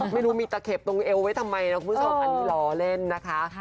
ไม่รู้มีตะเข็บตรงเอวไว้ทำไมนะคุณผู้ชมอันนี้ล้อเล่นนะคะ